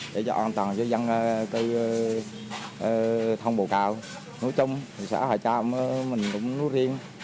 để an toàn cho dân tư thông bầu cào núi trung xã hòa châu mình cũng núi riêng